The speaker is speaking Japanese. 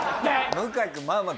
向井君まあまあ。